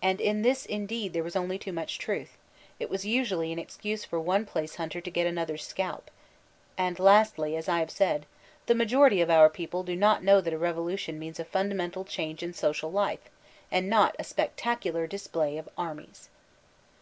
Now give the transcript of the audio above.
And in this imieed there was only too much truth — ^it was usually an excuse for one pbce hunter to get another one's scalp. And lastly, as I have said, the majority of our people do not know that a revolution means a fundamental change in social life, and not a spectacular display of armies.